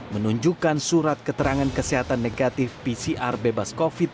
menunjukkan surat keterangan kesehatan negatif pcr bebas covid